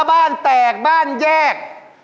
บ้านแตกบ้านแยก